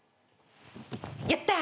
やった！